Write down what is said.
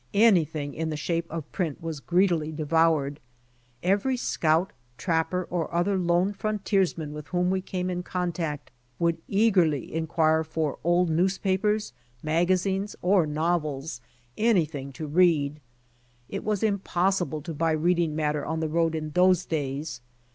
Anything in the shape of print was greedily devoured. Every scout, trapper, or other lone frontiersman with whom we came in contact would eagerly inquire for old newspapers, magazines or novels, — anytliing to read. It was impossible to buy reading matter on the road in those days.